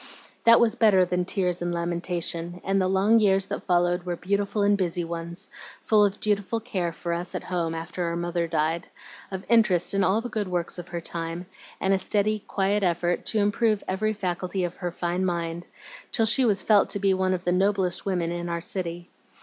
"That was better than tears and lamentation, and the long years that followed were beautiful and busy ones, full of dutiful care for us at home after our mother died, of interest in all the good works of her time, and a steady, quiet effort to improve every faculty of her fine mind, till she was felt to be one of the noblest women in our city.